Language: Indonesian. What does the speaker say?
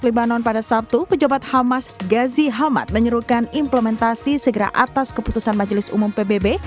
lebanon pada sabtu pejabat hamas gazi hamad menyerukan implementasi segera atas keputusan majelis umum pbb